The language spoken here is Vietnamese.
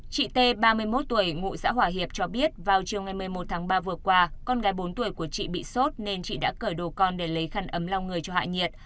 chị t ba mươi một tuổi ngụ xã hòa hiệp cho biết vào chiều ngày một mươi một tháng ba vừa qua con gái bốn tuổi của chị bị sốt nên chị đã cởi đồ con để lấy khăn ấm lòng người cho hạ nhiệt